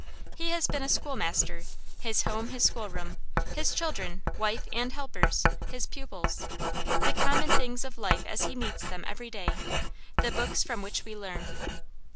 He has been a schoolmaster, his home his schoolroom, his children, wife and helpers his pupils; the common things of life as he meets them every day, the books from which we learn.